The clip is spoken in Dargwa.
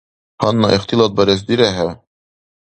Гьанна ихтилатбарес дирехӀев?